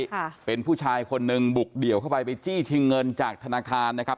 ค่ะเป็นผู้ชายคนหนึ่งบุกเดี่ยวเข้าไปไปจี้ชิงเงินจากธนาคารนะครับ